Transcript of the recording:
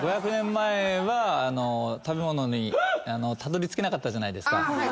５００年前は食べ物にたどりつけなかったじゃないですか。